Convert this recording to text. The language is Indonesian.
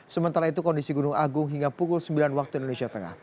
sementara itu kondisi gunung agung hingga pukul sembilan waktu indonesia tengah